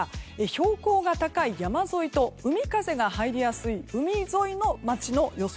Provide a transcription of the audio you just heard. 標高が高い山沿いと海風が入りやすい海沿いの街の予想